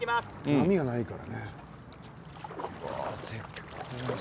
波がないからね。